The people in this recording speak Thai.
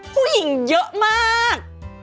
ผู้หญิงเยอะมาก